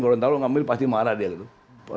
gorontalo ngambil pasti marah dia gitu